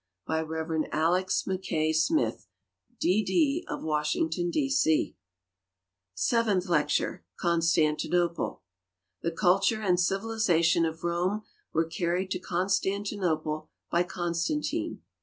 By Rev. Alex. Mackay Smith, D. I)., of Washington, D. C. Seventh lecture— Constantinoi)le. The culture and civilization of Rome were carried to Constantinople by Constantine.